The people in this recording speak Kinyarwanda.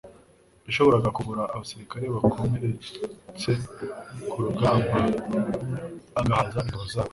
Yashoboraga kuvura abasirikare bakomerekcye ku rugamba, agahaza ingabo zose,